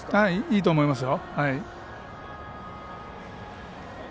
いいと思いますよ。